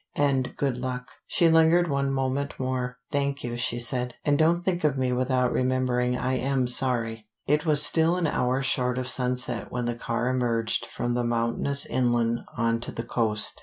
And good luck." She lingered one moment more. "Thank you," she said. "And don't think of me without remembering I am sorry." It was still an hour short of sunset when the car emerged from the mountainous inland on to the coast.